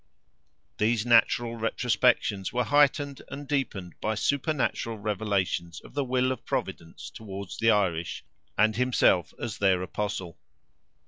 These natural retrospections were heightened and deepened by supernatural revelations of the will of Providence towards the Irish, and himself as their apostle.